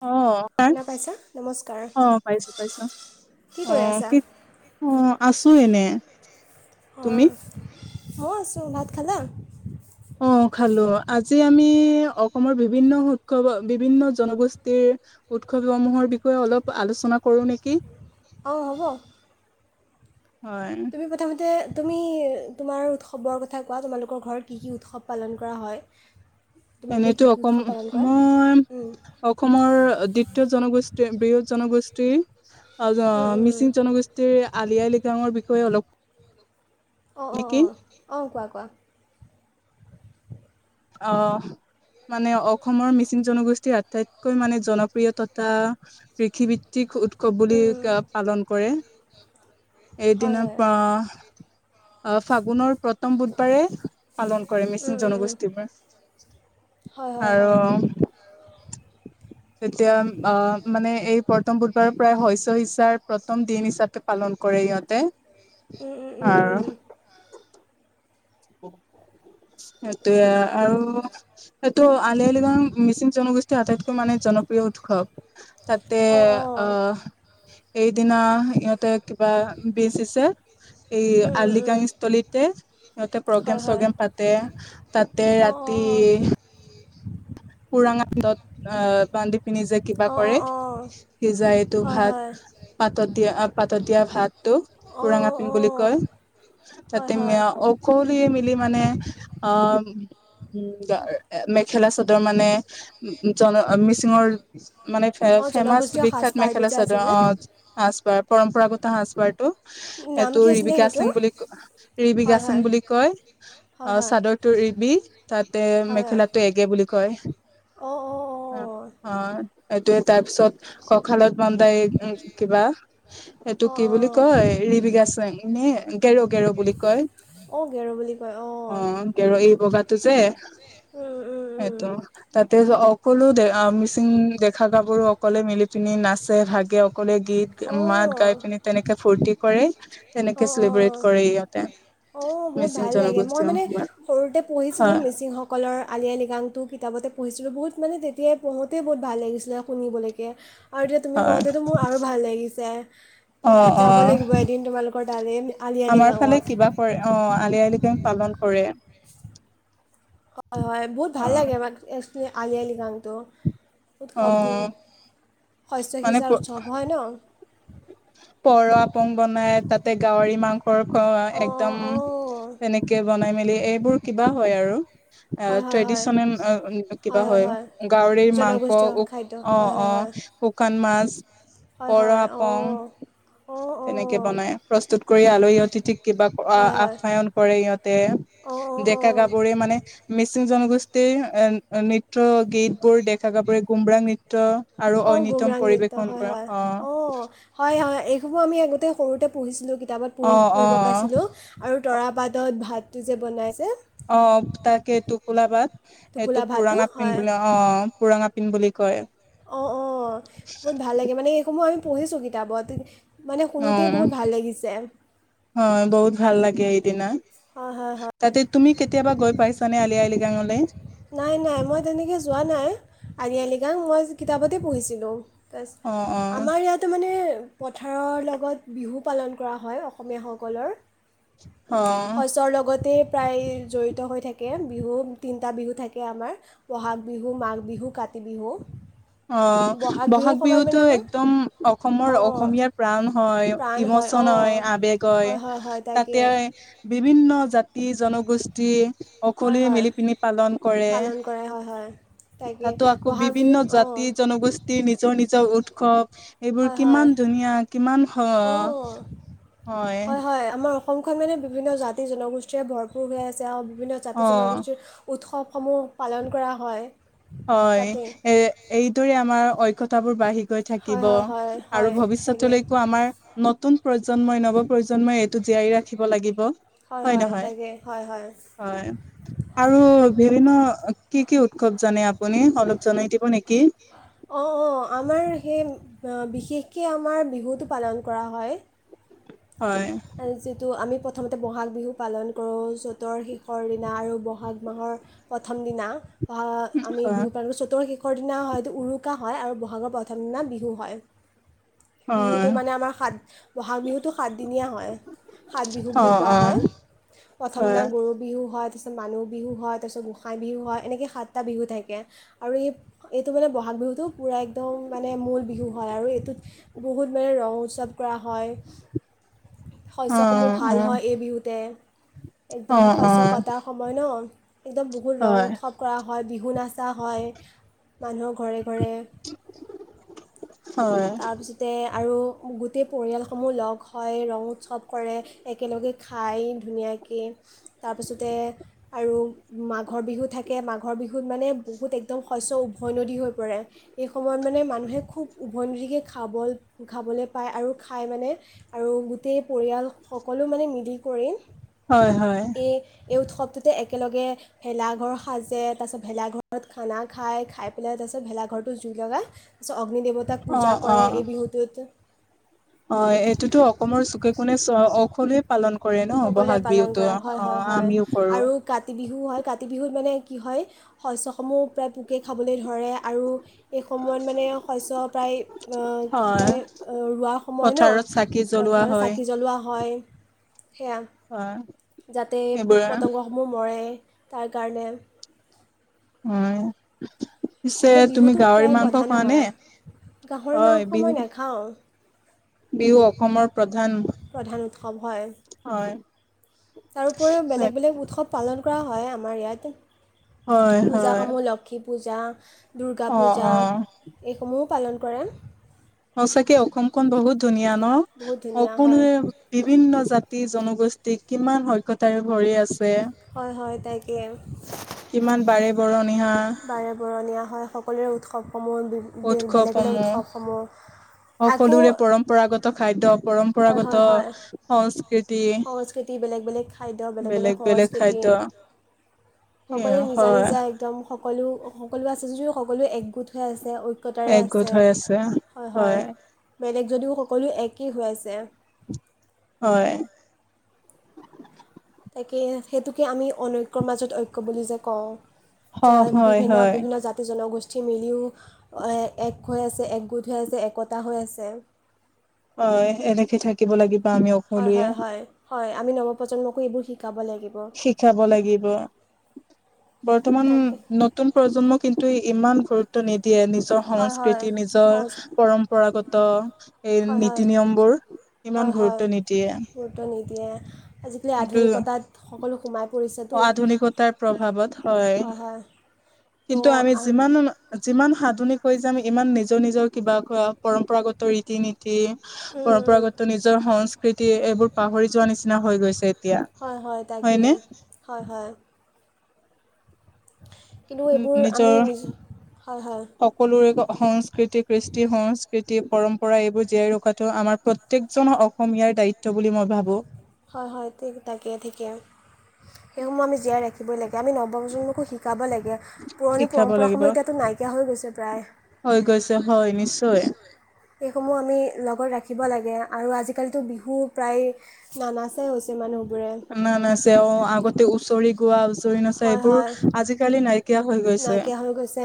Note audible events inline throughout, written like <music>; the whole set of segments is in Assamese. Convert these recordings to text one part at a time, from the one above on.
<unintelligible> আহ শুনা পাইছা নমস্কাৰ অ', পাইছোঁ, পাইছোঁ। কি কৰি অ' আছা কি? অ', আছোঁ এনেই। অ', অ' মইও আছোঁ। ভাত খালা? অ', খালোঁ। আজি আমি অসমৰ বিভিন্ন <unintelligible> জনগোষ্ঠীৰ বিষয়ে উৎসৱসমূহৰ বিষয়ে অলপ আলোচনা কৰো নেকি? অ, হ'ব। হয় তুমি প্ৰথমতে তুমি তোমাৰ উৎসৱৰ কথা কোৱা তোমালোকৰ ঘৰত কি কি উৎসৱ পালন কৰা হয় তোমালোকে এনেতো কি কি অসম উৎসৱ পালন কৰা মই উম, অসমৰ দ্বিতীয় জনগোষ্ঠী বৃহৎ জনগোষ্ঠী উম, উম, উম। মিচিং জনগোষ্ঠীৰ আলি আই লৃগাঙৰ বিষয়ে অলপ অ - নেকি অ - অ - অ কোৱা-কোৱা? আহ মানে অসমৰ মিচিং জনগোষ্ঠীৰ আটাইতকৈ মানে জনপ্ৰিয়ততা কৃষিভিত্তিক উৎসৱ বুলি উম, উম, পালন কৰে। হয় এদিনা হয় আহ - আহ ফাগুনৰ প্ৰথম বুধবাৰে পালন কৰে উম, মিচিং উম, উম, হয় হয় জনগোষ্ঠীবোৰে হয় আৰু তেতিয়া অ মানে এই প্ৰথম বুধবাৰৰ প্ৰায় শস্য সিচাৰ প্ৰথম দিন হিচাপে পালন কৰে ইয়াতে উম, উম, উম, উম, আৰু সেইটোৱে আৰু এইটো আলি অলিগাও মিচিং জনগোষ্ঠীৰ আটাইতকৈ মানে জনপ্ৰিয় উৎসৱ তাতে অঁ অঁ আহ এইদিনা সিহতে কিবা বজিছে। এই উম, উম, উম, আৰ্লিগাংস্থলীতে সিহঁতে হয় প্ৰগ্ৰেম হয় চগ্ৰেম পাতে তাতে অঁ ৰাতি অঁ উুৰাংত আহ বান্ধি পিনি যে কিবা অঁ অঁ কৰে অঁ অঁ সিজাই এইটো হয় হয় ভাত পাতৰ দিয়া পাতৰ তটো অঁ পুৰাণা পিঙ অঁ বুলি অঁ কয়। হয় তাতে হয় অকলে মিলি মানে অ, উম, মেখেলা চাদৰ মানে উম, জন মিচিঙৰ মানে অঁ ফেমাচ জনগোষ্ঠীয় বিখ্যাত সাজপাৰটো মেখেলা যে আছে চাদৰ যে অ সাজ পাৰ পৰম্পৰাগত সাজ পাৰটো উম এইটো ৰিবিকা সিং বুলি ক ৰিবিকা হয় সিং হয় বুলি কয় হয় অ, হয় চাদৰটো ৰিবিক তাতে হয় হয় মেখেলাটো এগে বুলি কয় অঁ অঁ অ - অ এইটো তাৰ পিছত কখালত বানদাই এই উম, কিবা এইটো অঁ অঁ কি বুলি অঁ কয় ৰিবিগা এনে গেৰ - গেৰ বুলি কয়। অঁ গেৰু বুলি কয় অঁ অ গেৰ এই বগাটো যে উম - উম। উম। সেইটো তাতে অকলো মিচিং দেখা কাভৰুো অকলে মিলি পিনি নাচে ভাগে সকলোৱে গীত অঁ মাত গাই পিননে তেনেকে ফূৰ্তি কৰে তেনেকে চেলিব্ৰেট কৰে ইয়াতে অ, বহুত ভাল লাগে মই মানে সৰুতে পঢ়িছিলো মিচিংসকলৰ আলি আই লৃগাং তো কিতাপতে পঢ়িছিলো বহুত মানে তেতিয়াই পঢ়োতেই বহুত ভাল লাগিছিলে শুনিবলৈকে আৰু এতিয়া তুমি হয় কওতেতো মোৰ আৰু ভাল লাগিছে অ যাব অ লাগিব এদিন তোমালোকৰ তালৈ আলি আই আমাৰ ফালে লৃগাঙত কিবা কৰে অ আলি আই লাগেং পালন কৰে হয় - হয় বহুত অ ভাল লাগে আলি আই লিগাংটো অ উৎসৱটো শস্য মানে সিচাৰ উৎসৱ হয় ন পৱ পং বনাই তাতে গাহৰি মাংস খ - খোৱা অঁ একদম অঁ অঁ তেনেকে বনাই মেলি এইবোৰ কিবা হয় আৰু। হয় হয় হয় ট্ৰেডিচনে কিবা হয় গাহৰি মাংস জনগোষ্ঠীয় খাদ্য অ হয় - অ হয় হয় শুকান মাছ। হয় পৰ হয় অ আপং তেনেকে বনাই প্ৰস্তুত কৰি আলহ সিহতি ঠিক কিবা হয় হয় আপায়ন কৰে ইহতে অঁ অঁ ডেকা অঁ গাভৰুৱে মানে মি জনগোষ্ঠীৰ এ নৃত্য গীত বোৰ দেখা গ পৰে গুমৰাং নৃত্য আৰু অ, ঐনিতম গুমৰাং নৃত্য পৰিৱেশন হয় - কৰা হয় অ, হয় - হয় এইসমূহ আমি আগোতে সৰুতে পঢ়িছিলো। কিতাপত অ পঢি পঢ়িব পাইছিলোঁ আৰু অ তৰাবাদত ভাতটো যে বনাইছে অ তাকে এইটো কোলা বাট এইটো টোপোলা ভাতটো পোৰাঙা হয় পিন্ধব অ পোৰাং আপিন্ বুলি কয়। অঁ অ বহুত ভাল লাগে মানে এইসমূহ আমি পঢ়িছোঁ কিতাপত মানে অ শুনোতেই বহুত ভাল লাগিছে হয় বহুত ভাল লাগে সেইদিনা হয় হয় হয় তাতে তুমি কেতিয়াবা গৈ পাইছানে আলি আই লৃগাঙলৈ নাই নাই মই তেনেকৈ যোৱা নাই আলি আই লৃগাং মই কিতাপতে পঢ়িছিলোঁ তাৰ অ অ আমাৰ ইয়াাতো মানে পথাৰৰ লগত বিহু পালন কৰা হয় অসমীয়াসকলৰ অ শস্যৰ লগতে প্ৰায় জড়িত হৈ থাকে বিহু তি তিনিটা বিহু থাকে আমাৰ বহাগ বিহু মাঘ বিহু কাতি বিহু অ বিহুৰ বহাগ সময়ত বিহুতো মানে আমাৰ একদম অসমৰ অঁ অঁ অসমীয়াৰ প্ৰাণ হয় ই প্ৰাণ ইমোচন অঁ হয় আবেগ হয় তাতে বিভিন্ন জাতি জনগোষ্ঠী হয় অকললে হয় মিলি পিনি পালন কৰে পালন কৰে হয় হয় তাকে তাতো আকৌ বহাগ বিভিন্ন বিহুত অঁ জাত জাতিজনগোষ্ঠীৰ নিজৰ নিজৰ উৎসৱ এইবোৰ হয় হয় কিমান ধুনীয়া কিমান অঁ হয় হয় হয় আমাৰ অসমখন মানে বিভিন্ন জাতি জনগোষ্ঠীয়েৰে ভৰপূৰ হৈ আছে আৰু বিভিন্ন অ জাতি জনগোষ্ঠীৰ উৎসৱ সমূহ পালন কৰা হয় হয় তাতে এ এইদৰে আমাৰ ঐক্যতা বোৰ বাঢ়ি গৈ থাকিব হয় হয় হয় আৰু হয় তাকে ভৱিষ্যতলৈকো আমাৰ নতুন প্ৰজন্মই নব প্ৰজন্মই এইটো জীয়াইি ৰাখিব লাগিব হয় নহয় তাকে হয় হয় হয় আৰু বিভিন্ন কি কি উৎসৱ জানে আপুনি অলপ জনাই দিব নেকি অ অ অঁ আমাৰ সেই বিশেষকৈ আমাৰ বিহুটো পালন কৰা হয় হয় যিটো আমি প্ৰথমতে বহাগ বিহু পালন কৰোঁ য'তৰ শেষৰ দিনা আৰু বহাগ মাহৰ প্ৰথম দিনা আমি হয় বিহু পালোঁ চতুৰ্ শেষৰ দিনা হয়তো উৰু ইউৰোকা হয় আৰু বহাগৰ প্ৰথম দিনা বিহু হয় বিহুটো হয় মানে আমাৰ সাত বহাগ বিহুটো সাতদিনীয়া হয় সাত বিহু অ বুলি কোৱা অ হয় প্ৰথম দিনা হয় গৰু বিহু হাত তাৰপিছত মানুহ বিহু হয় তাৰপিছত গোঁসাই বিহু হয় এনেকৈ সাতটা বিহু থাকে আৰু এইটো মানে বহাগ বিহুত টো পূৰা একদম মানে মূল বিহু হয় আৰু এইটোত বহুত মানে ৰং উৎসৱ কৰা হয় অ শস্যসমূহ ভাল হয় এই বিহুতে অ অ একদম অ শস্য কটাৰ সময় ন একদম বহুত ৰং হয় উৎসৱ কৰা হয় হয় বিহু নাচা হয় মানুহৰ ঘৰে ঘৰে হয় তাৰপিছতে আৰু গোটেই পৰিয়ালসমূহ লগ খ ৰং উৎসৱ কৰে একেলগে খায় ধুনীয়াকৈ তাৰপিছতে আৰু মাঘৰ বিহু থাকে মাঘৰ বিহুত মানে বহুত একদম শস্য উভৈনদী হৈ পৰে এই সময়ত মানে মানুহে খুব উভৈনদী কে খাবলৈ পায় আৰু খাই মানে আৰু গোটেই পৰিয়াল সকলো মানে মিলি কৰি হয় হয় এই এই উৎসৱটোতে একেলগে ভেলাঘৰ সাজে তাৰপিছত ভেলাঘৰত খানা খাই খাই পেলাই ত তাৰপিছত ভেলাঘৰটো জুই লগাই তাৰপিছত অগ্নি দেৱতাক অ পূজা অ কৰে এই বিহুটোত হয় এইটোতো অসমৰ চুকে কোণে সকলোৱে পালন কৰে ন সকলোৱে বহাগ পালন বিহুতো কৰে হয় অ হয় হয় আমিও কৰো আৰু কাতি বিহু হয় কাতি বিহুত মানে কি হয় শস্যসমূহ প্ৰায় পোকে খাবলৈ ধৰে আৰু এইেই সময়ত মানে শস্য প্ৰায় কি হয় কয় ৰোৱা সময় ন পথাৰত চাকি পথ জ্বলোৱা হয় চাকি জ্বলোৱা হয় সেয়া হয় যাতে পোক এইবোৰ পতংগসমূহ মৰে তাৰ কাৰণে উ পিছে মানে তুমি বিহুটো গাহৰি প্ৰায় মাংস প্ৰধান খোৱা হয় নে আৰু। গাহৰি অ মাংস মই বিহু নাখাওঁ বিহু অসমৰ প্ৰধান প্ৰধান উৎসৱ হয় তাৰোপৰিও বেলেগ বেলেগ উৎসৱ পালন কৰা হয় আমাৰ ইয়াত হয় হয় পূজাসমূহ লক্ষী পূজা দুৰ্গা অ পূজা অ এইসমূহো পালন কৰে সচাকে অসমখন বহুত ধুনীয়া ন বহুত ধুনীয়া হয় অকলোৱে বিভিন্ন জাতি জনগোষ্ঠ কিমান সক্তাৰে ভৰি আছে হয় হয় তাকে কিমান বাৰে কৰ নিহা পৰণীয়া হয় সকলোৰে উৎসৱসমূহ বেলেগ বেলেগ উৎসৱসমূহ উৎসৱসমূহ আকৌ সকলোৰে পৰম্পৰাগত খাদ্যয় হয় হয় পৰম্পৰাগত হয় সংস্কৃতি সংস্কৃতি বেলেগ বেলেগ খাদ্য বেলেগ বেলেগ সস্কৃতিয়ে সকলোৱে নিজা হয় নিজা একদম সকলো সকলো আছে যদিও সকলো একগোট হৈ আছে ঐক্যতাৰে একগোট আছে হৈ হয় হয় বেলেগ যদিও সকলো একেই হৈ আছে হয় তাকে সেইটোকে আমি অনৈক্যৰ মাজত ঐক্য বুলি যে কওঁ হয় হয় বিভিন্ন হয় বিভিন্ন জাতি জনগোষ্ঠী ঠি মিলিও এক হৈ আছে একগোট হৈ আছে একতা হৈ আছে হয় এনেকে থাকিব লাগিব আমি হয় সকলোৱে হয় হয় হয় আমি নৱপ্ৰজন্মকো এইবোৰ শিকো শিকাব লাগিব বৰ্তমান তাকে নতুন প্ৰজন্ম কিন্তু ত ইমান গুৰুত্ব নিদিয়ে নিজৰ হয় হয় সংস্কৃতি অঁ নিজৰ পৰম্পৰাগত এই হয় হয় নীতি নিয়মবোৰ ইমান গুৰুত্ব নিদিয়ে এতি <unintelligible> আজিকালি কিন্তু আধুনিকতাত সকলো সোমাই পৰিছেতো আধুনিকতাৰ প্ৰভাৱত হয় হয় তো কিন্তু আমি আম- যিমান যিমান সাধ <unintelligible> কৈ যে আমি ইমান নিজৰ নিজৰ কিবা ক পৰম্পৰাগত ৰীতি নীতি উম, উম, উম। পৰম্পৰাগত নিজৰ সংস্কৃতি এইবোৰ পাহৰি যোৱা নিচিনা হৈ গৈছে এতিয়া হয় হয় তাকে হয়নে হয় হয় কিন্তু উ এইবোৰ আমি নিজৰ নিজ হয় হয় সকলোৰে সংস্কৃতি কৃষ্টি সংস্কৃতি পৰম্পৰা এইবোৰ জীয়াই ৰখাটো আমাৰ প্ৰত্যেকজন অসমীয়াৰ দায়িত্ব বুলি মই ভাবো হয় হয় ঠিক তাকে ঠিকে সেইসমূহ আমি জীয়াই ৰাখিবই লাগে আমি নৱপ্ৰজন্মকো শিকোঁ শিকাব লাগে পুৰণি শিকাব লাগিব পৰম্পৰাসমূহ এতিয়াতো নাইকিয়া হৈ গৈছে প্ৰায় হৈ গৈছে হয় নিশ্চয় এইসমূহ আমি লগত ৰাখিব লাগে আৰু আজিকালিতো বিহু প্ৰায় নানাচাই হৈছে মানুহবোৰে ন না তেওঁ আগতে উওচৰি গোৱা আছে জ নছে হয় এইবোৰ হয় আজিকালি নাইকিয়া হৈ গৈছে নাইকিয়া হৈ গৈছে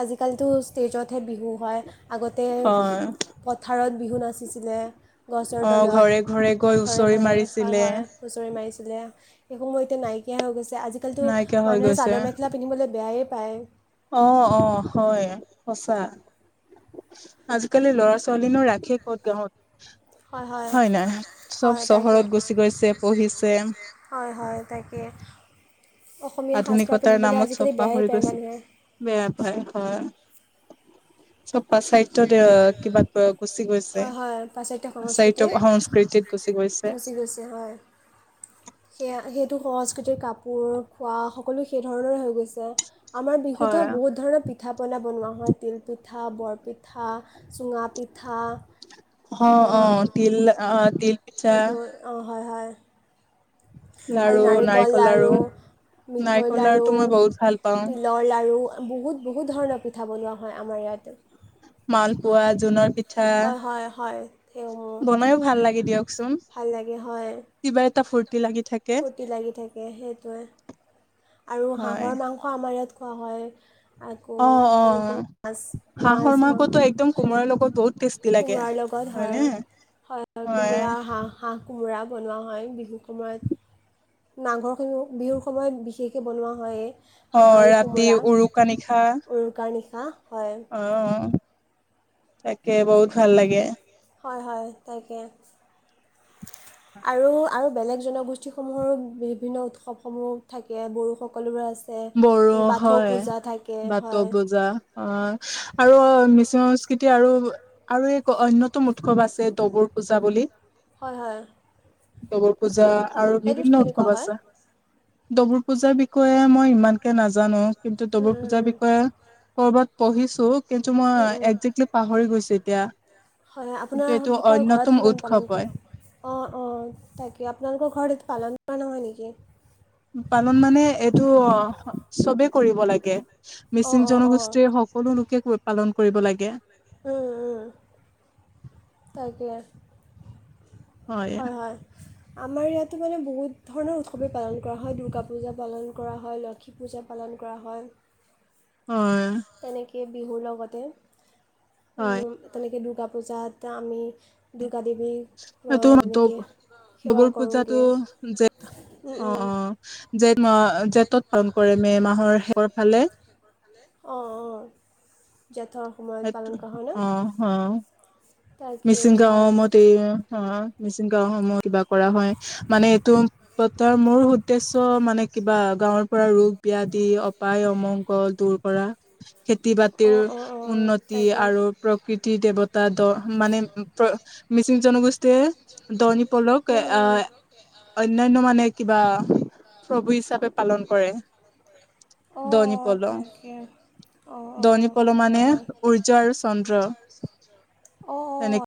আজিকালিতো ষ্টেজতহে বিহু হয় আগতে হয় পথাৰত বিহু নাচিছিলে গছৰ অ তলত ঘৰে ঘৰে গৈ ঘৰে হুঁচৰি ঘৰে হয় মাৰিছিলে হয় হুঁচৰি মাৰি সেইসমূহ এতিয়া নাইকিয়া হৈ গৈছে আজিকালিতো নাইকিয়া হৈ মানুহে গৈছে চাদৰ মেখেলা পিন্ধিবলৈ বেয়াই প্ৰায় অ অ হয় সঁচা আজিকালি ল'ৰা ছোৱালীনো ৰাখে ক'ত গাঁৱত হয় নাই চব হয় তাকে চহৰত গুচি গৈছে পঢ়িছে হয় হয় তাকে অসমীয়া সাজপাৰ আধুনিকতাৰ পিন্ধিবলৈ নামত আজিকালি বেয়াই চপাাহৰি পায় গৈছে মানুহে বেয়া পায় হয় ছপ প্ৰাচাত্য কিবা গুচি গৈছে। হয় হয় পাশ্চাত্য সংস্কৃতিৰ প্ৰাচাত্যয় সংস্কৃতিত গুচি গৈছে। গুচি গৈছে হয়। সেয়া সেইটো সহজ কাপোৰ খোৱা সকলো সেই ধৰণৰে হৈ গৈছে। আমাৰ বিহুতে হয় বহুত ধৰণৰ পিঠা পনা বনোৱা হয় তিলপিঠা বৰপিঠ- থা চুঙা পি- অ', অ' তিল অ' তিল পিঠা সেইটো অ' হয় হয় আৰু নাৰিকল লাৰু মিঠৈ নাৰিকল লাৰু, লাৰুটো মই বহুত ভাল পাওঁ তিলৰ লাৰু বহুত বহুত বহুত ধৰণৰ পিঠা বনোৱা হয় আমাৰ ইয়াতে। মাল পোৱা জোনৰ পি হয়, হয়, হয় সেইসমূহ বনাইও ভাল লাগে দিয়কচোন ভাল লাগে হয়। কিবা এটা ফূৰ্তি লাগি থাকে ফূ্ৰ্তি লাগি থাকে সেইটোৱে। আৰু হয় হাঁহৰ মাংস আমাৰ ইয়াত খোৱা হয়। আকৌ অ', তেনেকৈ অ', মাছ মাছ হাঁহৰ মাংস মাংখতো একদম কোমোৰাৰ লগত বহুত টেষ্ট কোমোৰাৰ লগত হয়, হয় কোমোৰাৰ হাঁহ হাঁহ কোমোৰা বনোৱা হয় বিহু সময়ত মাঘৰখিনি বিহুৰ সময়ত বিশেষকৈ বনোৱা হয়ে। অ', ৰাতি উৰুকা নিশা উৰুকাৰ নিশা হয় অ', তাকে বহুত ভাল লাগে। হয়, হয় তাকে। আৰু আৰু বেলেগ জনগোষ্ঠীসমূহৰো বিভিন্ন উৎসৱসমূহ থাকে বড়োসকলোৰে আছে বড়ো বাথৌ হয় পূজা থাকে বাথৌ হয় পুজা অ' আৰু মিচ এতিয়া আৰু আৰু এক অন্যতম উৎসৱ আছে ডবৰ পূজা বুলি। হয় হয় দগৰ পূজা আৰু সেইটোত বিভিন্ন কেনেকুৱা উৎসৱ হয় আছে। ডবুৰ পূজাৰ বিষয়ে মই ইমানকে নাজানো। কিন্তু উম ডবুৰ পূজাৰ বিষয়ে কৰবাত পঢ়িছো কিন্তু উম উম মই উম উম একজেক্টলি পাহৰি গৈছো এতিয়া। হয় কিন্তু এইটো আপোনালোকৰ অন্যতম ঘৰত সিমান পাল উৎসৱ অ', হয় অ', তাকে। আপোনালোকৰ ঘৰত পালন কৰা নহয় নেকি? পালন মানে এইটো চবে কৰিব লাগে। অঁ মিচিং অঁ অঁ জনগোষ্ঠীয়ে সকলো লোকে পালন কৰিব লাগে। উম, উম তাকে। হয়, হয়। আমাৰ ইয়াতো মানে বহুত ধৰণৰ উৎসৱেই পালন কৰা হয়। দুৰ্গা পূজা পালন কৰা, হয় লক্ষী পূজা পালন লন কৰা হয়। হয় তেনেকে বিহুৰ লগতে হয় উম তেনেকে দুৰ্গা পূজাত আমি দুৰ্গা দেৱী অ' তেনেকৈ সেৱা দবৰ পূজাতো কৰোঁগৈ যে উম, অ', উম, অ', যে জেঠত পালন কৰে মে' মাহৰ শেষৰ ফালে। অ'। অ', অ'। তাকে মিচিং হয়। <unintelligible> মিচিং গাওঁসমূহ কিবা কৰা হয়। মানে এইটো তাৰ মূল উদ্দেশ্য মানে কিবা গাঁৱৰ পৰা ৰোগ ব্যাধি অপায় অমংগল দূৰ কৰা। খেতি বাতিৰ অঁ অঁ অঁ উন্নতি তাকে আৰু প্ৰকৃতিৰ দেৱতা দ মানে মিচিং জনগোষ্ঠীয়ে দ ক' ল'কে উম। অ' অন্যান্য মানে কিবা প্ৰভু হিচাপে পালন কৰে। অঁ অঁ দনিপল তাকে অঁ অঁ দনি প'ল হয় মানে হয় হয়। উৰ্য আৰু চন্দ্ৰ অঁ তেনেকে অঁ